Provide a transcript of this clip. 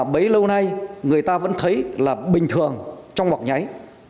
bấy lâu nay người ta vẫn thấy là bình thường trong mọc nháy